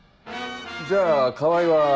じゃあ川合は。